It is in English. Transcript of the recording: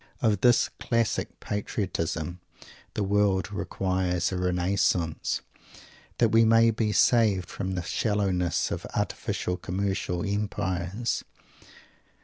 Of this classic "patriotism" the world requires a Renaissance, that we may be saved from the shallowness of artificial commercial Empires.